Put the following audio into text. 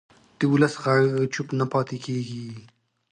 د ولس غږ چوپ نه پاتې کېږي